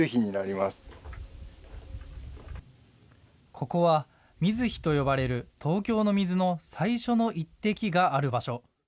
ここは水干と呼ばれる東京の水の最初の１滴がある場所。